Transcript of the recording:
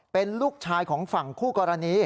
เป็นลูกชายของฝั่งคู่กรณี